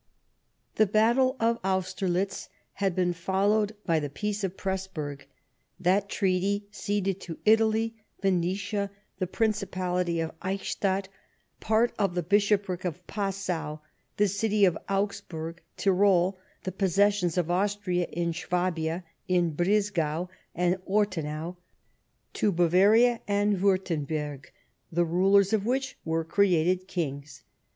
The battle of Austerlitz had been followed by the Peace of Pressburg. That treaty ceded to Italy, Venetia ; the principality of Eichstadt, part of the Bishopric of Passau, the city of Augsburg, Tirol, the possessions of Austria in 8uabia, in Brisgau, and Ortenau, to Bavaria and Wiirternberg, the rulers of which were created kings.